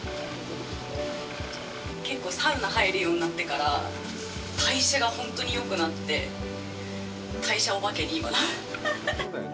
結構サウナ入るようになってから代謝が本当によくなって代謝お化けに、今。